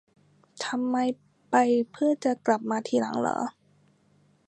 ทำไม ไป เพื่อจะกลับมาทีหลังเหรอ